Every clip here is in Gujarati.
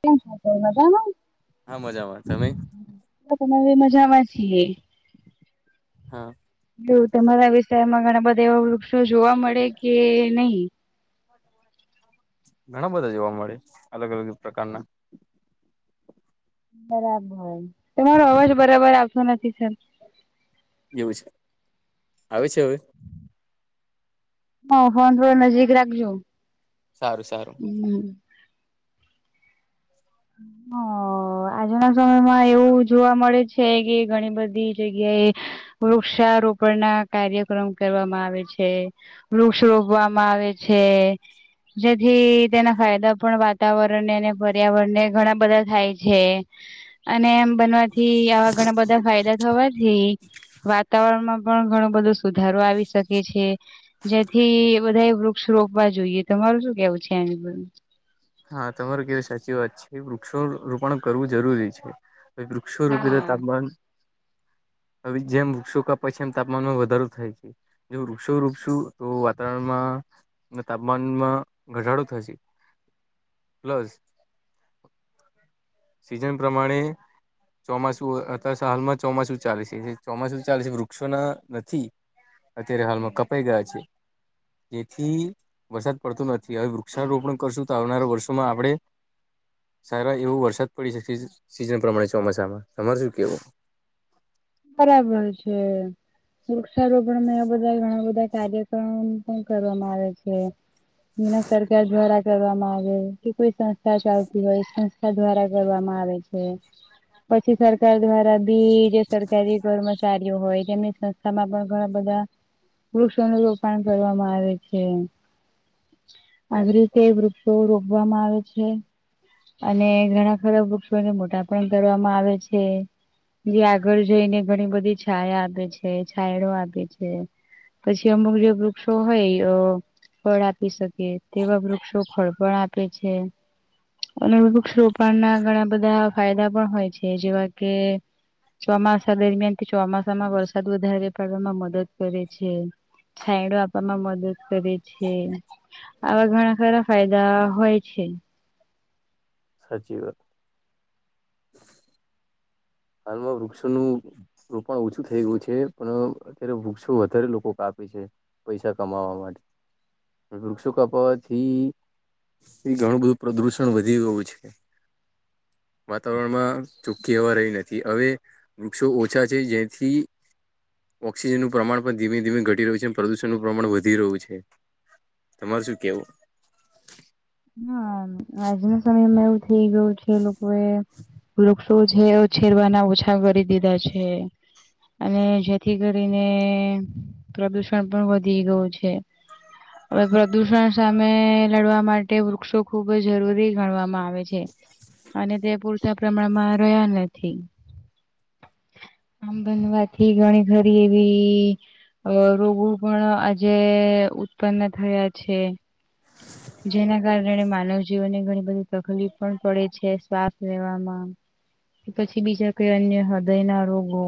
કેમ છો, તો મજામાં ને. હા મજામાં, તમે તમારે મજામાં છીએ. હા, એવું તમારા વિષયમાં ઘણા બધા એવા વૃક્ષો જોવા મળે કે નહીં. ઘણા બધા જોવા મળે અલગ અલગ પ્રકારના, બરાબર તમારો અવાજ બરાબર આવતો નથી સર એવું છે, આવે છે, અવાજ. હ ફોન થોડો નજીક રાખજો. સારું, સારું. હું. હ, હ આજના સમયમાં એવું જોવા મળે છે, કે ઘણી બધી જગ્યાએ. વૃક્ષારોપણના કાર્યક્રમ કરવામાં આવે છે, વૃક્ષ રોપવામાં આવે છે જેથી તેના ફાયદા પણ વાતાવરણને અને પર્યાવરણને, ઘણા બધા થાય છે, અને એમ બનવાથી આવા ઘણા બધા ફાયદા થવાથી, વાતાવરણમાં પણ ઘણો બધો સુધારો આવી શકે છે. જેથી બધા એ વૃક્ષ રોપવા જોઈએ, તમારું શું કેવું છે, આ હા તમારે કેવી સાચી વાત છે, વૃક્ષો રોપણ કરવું જરૂરી છે. એક વૃક્ષો રૂપે જે હા. તાપમાન. હવે, જેમ વૃક્ષો કપાય પછી એમ તાપમાનમાં વધારો થાય છે. જેવું વૃક્ષો વૃક્ષો તો વાતાવરણમાં તાપમાનમાં. ઘટાડો થશે પ્લસ, સિઝન પ્રમાણે ચોમાસું અત હાલમાં ચોમાસું ચાલે છે ચોમાસું ચાલે છે વૃક્ષોના નથી અત્યારે હાલમાં કપાઈ ગયા છે જેથી વરસાદ પડતો નથી. હવે વૃક્ષારોપણ કરશું તો આવનારા વર્ષોમાં આપણે સારા એવો વરસાદ પડી શકે સીઝન પ્રમાણે ચોમાસામાં સર શું કેવું? બરાબર છે વૃક્ષારોપણ બધા ઘણા બધા કાર્યક્રમ કરવામાં આવે છે એના સરકાર દ્વારા કરવામાં આવે કે કોઈ ચાલતી હોય સંસ્થા દ્વારા કરવામાં આવે છે પછી સર સરકાર દ્વારા બી જે સરકારી કર્મચારીઓ હોય તેમની સંસ્થામાં પણ ઘણા બધા વૃક્ષો ન રોપણ કરવામાં આવે છે. આવી રીતે વૃક્ષો રોપવામાં આવે છે. અને ઘણા ખરા વૃક્ષોને મોટા પણ કરવામાં આવે છે જે ઘર જઈને ઘણી બધી છાયા આપે છે છાયડો આપે છે. પછી અમુક વૃક્ષો હોય ફળ આપી શકે તેવા વૃક્ષો ફળ પણ આપે છે. અગ અ રોપાણના ઘણા બધા ફાયદા પણ હોય છે જેવા કે ચોમાસા દરમિયાન તે ચોમાસામાં વરસાદ વધારે પડવામાં મદદ કરે છે. છાયડો આપવામાં મદદ કરે છે આવા ઘણા ખારા ફાયદા હોય છે. સાચી વાત. હાલમાં વૃક્ષોનું રોપણ ઓછું થઈ ગયું છે પણ અત્યારે વૃક્ષો વધારે લોકો કાપે છે. પૈસા કમાવા માટે વૃક્ષો કપાવાથી એ ઘણું બધું પ્રદૂષણ વધી ગયું છે. વાતાવરણ માં ચોખ્ખી એવા રહી નથી. થી હવે વૃક્ષો ઓછા છે જેથી ઓક્સિજનનું પ્રમાણ પણ ધીમે ધીમે ઘટી રહ્યું છે અને પ્રદુષણનું પ્રમાણ વધી રહ્યું છે. તમાર શું કેવું? હા આજના સમયમાં એવું થઈ ગયું છે લોકો એ શું છે છેેરવાના ઓછા કરી દીધા છે. અને જેથી કરીને પ્રદુષણ પણ વધી ગયું છે. હવે પ્રદુષણ સામે લડવા માટે વૃક્ષો ખુબ જરૂરી ગણવામાં આવે આવે છે અને તે પૂરતા પ્રમાણમાં રહ્યા નથી. આમ બનવાથી ઘણી ઘરી એવી અ રોગો પણ આજે ઉત્પન્ન થયા છે. જેના કારણે માનવ જીવનને ઘણી બધી તકલીફ પણ પડે છે શ્વાસ લેવામાં કે પછી બીજા કઈ અન્ય હૃદય ના રોગો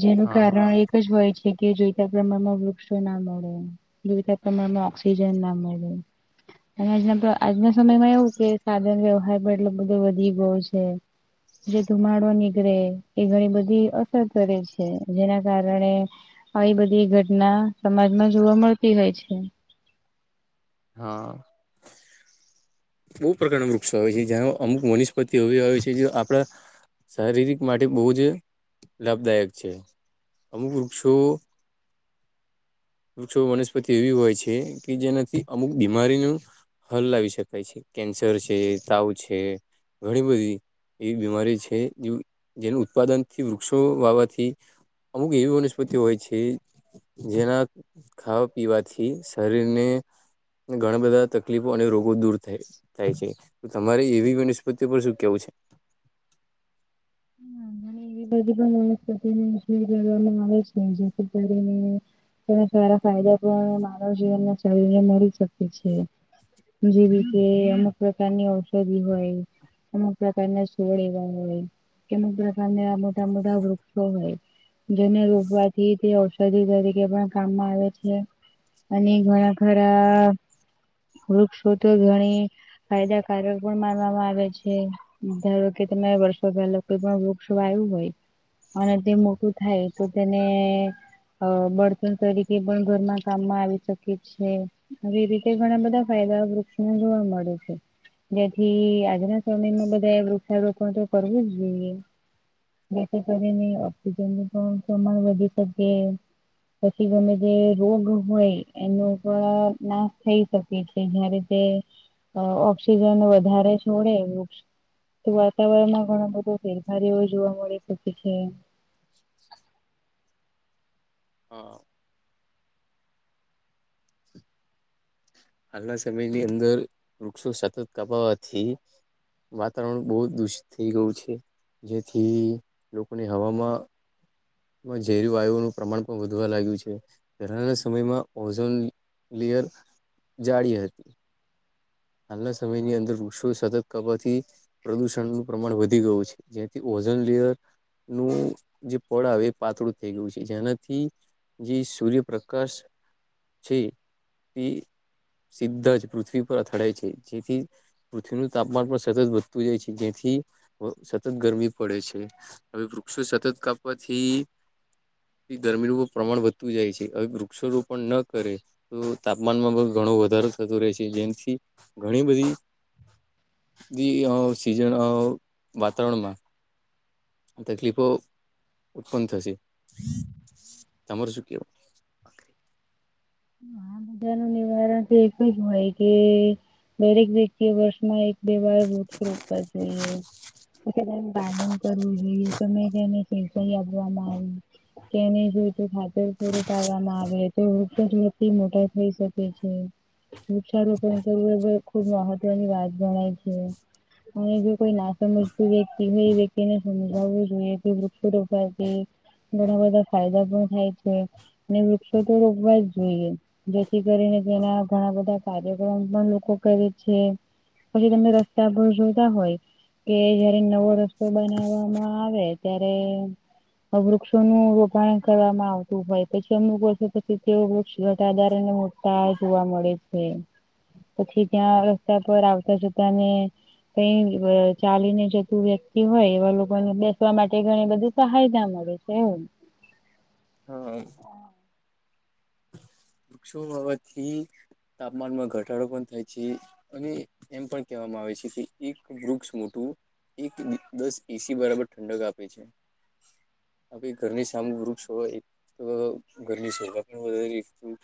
જેનું હા કારણ એક જ હોય છે કે જોઈતા પ્રમાણમાં વૃક્ષો ના મળે જોઈતા પ્રમાણમાં ઓક્સિજન ના મળે. હમ. અને આજના આજના સમયમાં એવું કે સાધન વ્યવહાર પણ એટલો બધો વધી ગયો છે. જે ધુમાડો નીકળે એ ઘણી બધી અસર કરે છે જેના કારણે આવી બધી ઘટના સમાજમાં જોવા મળતી હોય છે. હા બહુ પ્રકારના વૃક્ષો આવે છે જ્યાં અમુક વનસ્પતિ એવી આવે છે જે આપણા શારીરિક માટે બહુ જ લાભદાયક છે અમુક વૃક્ષો વૃક્ષો વનસ્પતિ એવી હોય છે કે જેનાથી અમુક બીમારીનું હલ લાવી શકાય છે કેન્સર છે તાવ છે ઘણી બધી એવી બીમારી છે જેનું ઉત્પાદનથી વૃક્ષો વાવાથી અમુક એવી વનસ્પતિ હોય છે જેના ખાવા પીવાથી શરીરને ઘણા બધા તકલીફો અને રોગો દૂર થાય થાય છે તો તમારે એવી વનસ્પતિ પર શું કેવું છે. એ બધી પણ વનસ્પતિ ને જવામાં આવે છે જેથી કરીને તને સારા ફાયદા પણ માન જીવનને શરીરને મળી શકે છે. જેવીી કે અમુક પ્રકારની ઔષધિ હોય. કે અમુગ પ્રકારના સોળ એવા હોય કે અમુક જાત મોટા મોટા વૃક્ષો હોય જેને રોપવાથી તે ઔ ષધી તરીકે પણ કામમાં આવે છે અને ઘણા ખરા વૃક્ષો તો ઘણી ફાયદાકારક પણ માનવામાં આવે છે. ધારો કે તમે વર્ષો પહેલા કોઈ પણ વૃક્ષો આવ્યું હોય. અને તે મોટું થાય તો તેને અ બળતણ તરીકે પણ ઘરના કામમાં આવી શકે છે. આવી રીતે ઘણા બધા ફાયદા વૃક્ષના જોવા મળે છે. જેથી આજના સમયમાં બધાય વૃક્ષારોપણ તો કરવું જોઇએ. જે થી કરીને ઓક્સિજન નુ પણ પ્રમાન વધી શકે. પછી ગમે જે રોગ હોય એનો પણ નાશ થઈ શકે. એટ જયારે તે ઓક્સિજન વધારે છોડે. તો વાતાવરણમાં ઘણ બધો ફેરફાર એવો જોવા મળી શકે છે. [inaudible] હા. હાલના સમયની અંદર વૃક્ષો સતત કાપાવાથી. વાતાવરણ બહુ દૂષિત થઈ ગયું છે જેથી લોકોને હવામાં માં ઝેર વાયુનું પ્રમાણ પણ વધવા લાગ્યું છે પેહલા ના સમયમાં ઓઝોન લિયર જાળી હતી. હાલના સમયની અંદર વૃષો સતત કરવાથી. પ્રદુષણનું પ્રમાણ વધી ગયું છે જેથી ઓઝન લેયર નું જે પળ આવે એ પાતળું થઈ ગયું છે જેનાથી જી સૂર્યપ્રકાશ છે તે સીધ જ પૃથ્વી પર અથડાય છે જેથી પૃથ્વીનું તાપમાન પણ સતત વધતું જાય છે જેથી સતત ગરમી પડે છે. હવે વૃક્ષો સતત કાપવાતથી. ગરમીનુંર પ્રમાણ વધતું જાય છે હવે વૃક્ષારોપણ ન કરે તો તાપમાનમાં પણ ઘણો વધારો થતો રહે છે જેમથી ઘણી બધી બી સીઝન વાતાવરણમાં તકલીફો ઉત્પન્ન થશે તમાર શું કેવું? આ બધા નુ નિવારણ તો એક જ હોય કે દરેક વ્યક્તિએ વર્ષમાં એક બે વાર વૃક્ષ રોપવા જોઈએ તો પાલન કરવું જોઈએ સમય તેને આપવામાં આવે તેની જોતું ખાતર પૂરું પાડવામાં આવે. તે વૃક્ષ વતિ મોટા થઈ શકે છે. વૃક્ષારોપણ કરવું એ ખુબ મહત્વની વાત જણાય છે. અને જો કોઈ ના સમજતું વ્યક્તિ હોય એ વ્યક્તિને સમજાવવું જોઈએ વૃક્ષો રોપવા થી ઘણા બધા ફાયદા પણ થાય છે અને વૃક્ષો તો રોપવા જ જોઈએ જેથી કરીને તેના ઘણા બધા કાર્યક્રમ પણ લોકો કરે છે. પછી તમે રસ્તા પર જોતા હોય. કે જયારે નવો રસ્તો બનાવવામાં આવે ત્યારે વૃક્ષોનું રોપાણ કરવામાં આવતું હોય પછી અમુક વર્ષો પછી તે [unintelligible] આધારને મોટા જોવા મળે છે. પછી ત્યાં રસ્તા પર આવતા જોતા ને ક ચાલીને જતું વ્યક્તિ હોય એવા લોકોને બેસવા માટે ઘણી બધું સહાયતા મળે. હમ હા વૃક્ષો વાવાથી તાપમાનમાં ઘટાડો પણ થાય છે અને એમ પણ કહેવામાં આવે છે કે એક વૃક્ષ મોટું એક [inaudible] દસ એસી બરાબર ઠંડક આપે છે. આપ ઘરની સામું વૃક્ષો હોય તો [inaudible] ઘરની સોભા એ વધ એકું [unintelligible]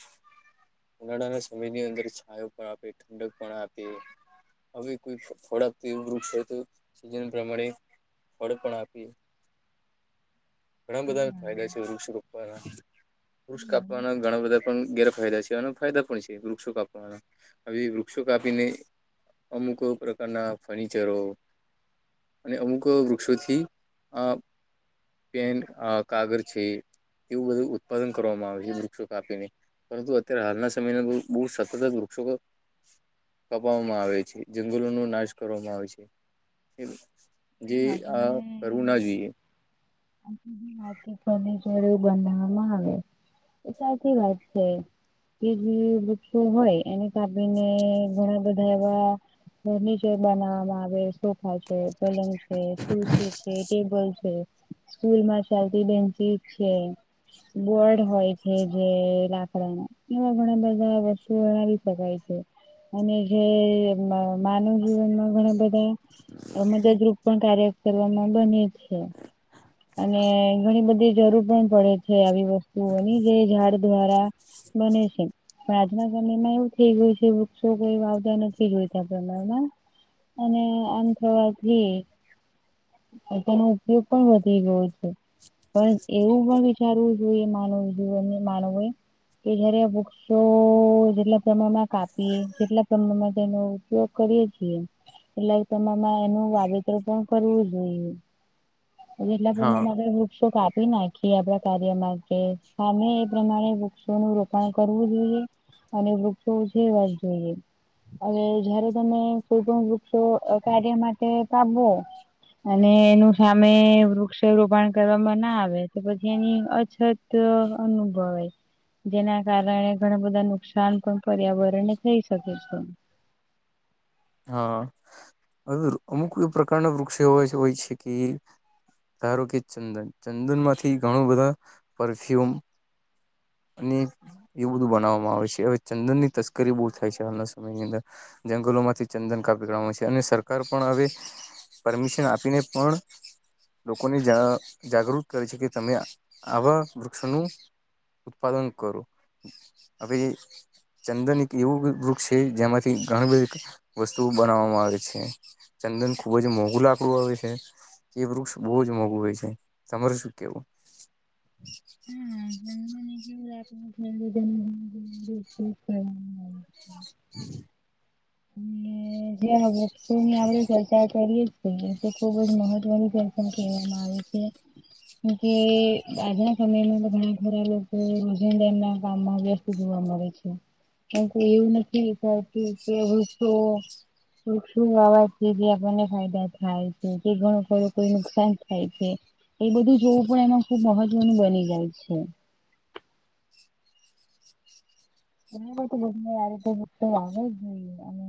ઉનાળાના સમયની અંદર છાયો પણ આપે ઠંડક પણ આપે હવે કોઈ ફળ આપતું એવું વૃક્ષ છે તો સીઝન પ્રમાણે ફળ પણ આપે ઘણા બધાને ફાયદા છે વૃક્ષ રોપવાના વૃક્ષ કાપવાના ઘણા બધા પણ ગેરફાયદા છે અને ફાયદા પણ છે વૃક્ષો કાપવાના આવી વૃક્ષો કાપીને અમુક પ્રકારના ફર્નિચરો અને અમુક વૃક્ષોથી આ પેન કાગળ છે એવું બધું ઉત્પાદન કરવામાં આવે છે વૃક્ષો કાપીને પરંતુ અત્યારે હાલના સમયના બહુ સતત વૃક્ષો કપવામાં આવે છે, જંગલો નું નાશ કરવામાં આવે છે. જે હા આ તમે કરવું ના જોઈએ. ફર્નિચર એવું બનાવવામાં આવે સાચી વાત છે. કે જે વૃક્ષો હોય એને કાપીને ઘણા બધા એવા ફર્નિચર બનાવામાં આવે સોફા છે પલંગ છે, ખુરશી છે, ટેબલ છે, સ્કૂલ માં ચાલતી બેન્ચીસ છે બોડ હોય છે જે લાકડાનો એવા ઘણા બધા વસ્તુ ઓ આ રીતે હોય છે અને જે માનવ જીવનમાં ઘણા બધા [unintelligible] મદદરૂપ પણ કાર્ય કરવામાં બને છે. અને ઘણી બધી જરૂર પણ પડે છે આવી વસ્તુઓની જે ઝાડ દ્વારા બને છે. પણ આજના સમય માં એવું થઇ ગયું છે વૃક્ષો કોઈ વાવતા નથી જોયતા પ્રમાણમાં અને આમ થવાથી તેનો ઉપયોગ પણ વધી ગયો છે. પણ એવું પણ વિચારવું જોઈએ માનવ જીવન માનવો એ કે જયારે આ વૃક્ષ ક્ષો જેટલા પ્રમાણમાં કાપીએ જેટલા પ્રમાણમાં તેનો ઉપયોગ કરીએ છીએ એટલે તમામાં એનું વાવેતર પણ કરવું જોઈએ એટલા હા પ્રમાણ મ વૃક્ષો કા નાખીએ આપડા કાર્ય માટે સામે એ પ્રમાણે વૃક્ષોનું રોપાણ કરવું જોઈએ અને વૃક્ષો જેવા જ જોઈએ અને જયારે તમે કોઈપણ વૃક્ષો કાર્ય માટે કાપવો. અને એનું સામે વૃક્ષ રોપણ કરવામાં ના આવે તો પછી એની અછત. તો અનુભવાઈ જેના કારણે ઘણા બધા નુકસાન પણ પર્યાવરણને થઈ શકે છે. હા અવે અમુક પ્રકારના વૃક્ષો હો હોય છે કે ધારો કે ચંદન ચંદનમાંથી ઘણું બધા પરફ્યુમ અને એવું બધું બનાવવામાં આવે છે હવે ચંદન ની તસ્કરી બહુ થાય છે હાલના સમયની અંદર જંગલોમાંથી ચંદન કાપી કાડવામાં છે અને સરકાર પણ હવે પરમિશન આપીને પણ લોકોને જા જાગૃત કરે છે કે તમે આવા વૃક્ષનું ઉત્પાદન કરું હવે ચંદન [inaudible] એક એવું વૃક્ષ છે જેમાંથી ઘણું બધું વસ્તુઓ [inaudible] બનાવવામાં આવે છે. ચંદન ખુબ જ મોંઘુ લકડું આવે છે. કે વૃક્ષ બહુ જ મોંઘું હોય છે. તમારે શું કેવું? હમ. [unintelligible] [inaudible] હમ. હ જે વૃક્ષો ની આપડે ચર્ચા કરીએ. ખુબ જ મહત્વનું દર્શન કહેવામાં આવે છે. મકે આજના સમયમાં તો ઘણા ખોરા લોકો દણ ના કામમાં વ્યસ્ત જોવા મળે છે. કાર કે એવું નથી કરતી કે વૃક્ષો વૃક્ષુ અવાજ છે જે આપણને ફાયદા થાય છે કે ઘણું થોડું કોઈ નુકસાન થાય છે. એ બધું જોવું પણ એમાં ખુબ મહત્વનું બની જાય છે. એ બ રીતે આવે જ જોઈએ અને.